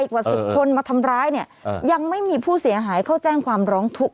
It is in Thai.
กว่า๑๐คนมาทำร้ายเนี่ยยังไม่มีผู้เสียหายเข้าแจ้งความร้องทุกข์